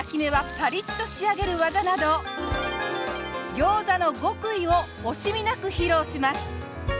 餃子の極意を惜しみなく披露します。